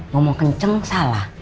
ngomong kenceng salah